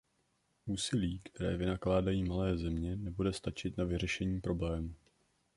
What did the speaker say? Úsilí, které vynakládají malé země, nebude stačit na vyřešení problému.